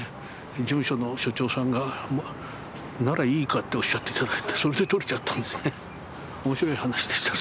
事務所の所長さんが「ならいいか」っておっしゃって頂いてそれでとれちゃったんですね